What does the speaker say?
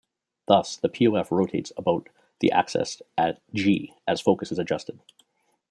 Thus the PoF rotates about the axis at G as focus is adjusted.